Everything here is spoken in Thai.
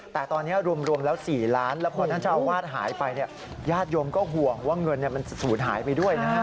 แต่ตอนนี้รวมแล้ว๔ล้านพอท่านเจ้าอ่างวาดหายไป